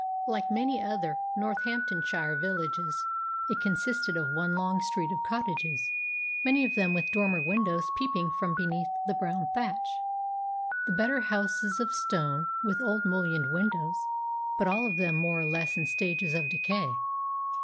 Like many other Northamptonshire villages, it consisted of one long street of cottages, many of them with dormer windows peeping from beneath the brown thatch, the better houses of stone, with old mullioned windows, but all of them more or less in stages of decay.